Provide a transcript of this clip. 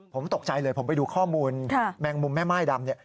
ผมตกใจเลยผมไปดูข้อมูลแมงมุมแม่ม่ายดำเนี่ย